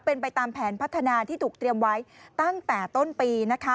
เป็นไปตามแผนพัฒนาที่ถูกเตรียมไว้ตั้งแต่ต้นปีนะคะ